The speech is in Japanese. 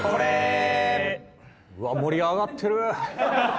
うわっ盛り上がってる！